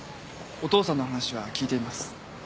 お父さんの話は聞いています。